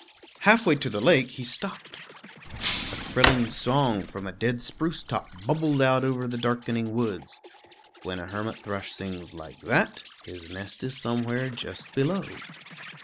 Halfway to the lake, he stopped; a thrilling song from a dead spruce top bubbled out over the darkening woods. When a hermit thrush sings like that, his nest is somewhere just below.